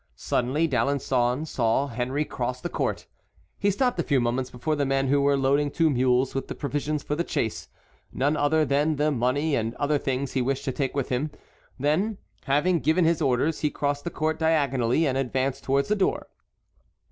Suddenly D'Alençon saw Henry cross the court; he stopped a few moments before the men who were loading two mules with the provisions for the chase—none other than the money and other things he wished to take with him; then, having given his orders, he crossed the court diagonally and advanced towards the door.